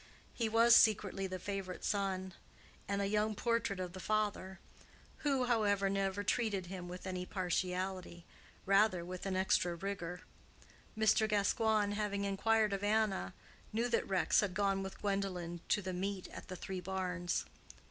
He was secretly the favorite son, and a young portrait of the father; who, however, never treated him with any partiality—rather, with an extra rigor. Mr. Gascoigne having inquired of Anna, knew that Rex had gone with Gwendolen to the meet at the Three Barns.